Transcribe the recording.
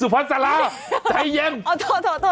สุภัณฑ์สราใจเย็มโทษ